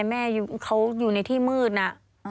แม่เขาอยู่ในที่มืดนะ